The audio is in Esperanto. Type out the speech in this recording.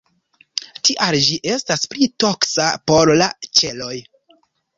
Tial ĝi estas pli toksa por la ĉeloj.